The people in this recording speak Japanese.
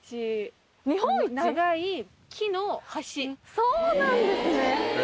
そうなんですね！